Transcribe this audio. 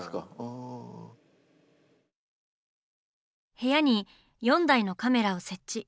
部屋に４台のカメラを設置。